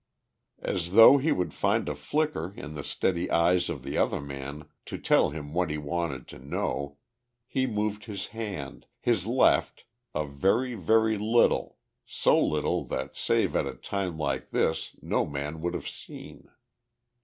As though he would find a flicker in the steady eyes of the other man to tell him what he wanted to know, he moved his hand, his left, a very, very little, so little that save at a time like this no man would have seen.